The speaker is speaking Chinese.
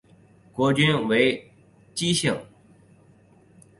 国君为姬姓。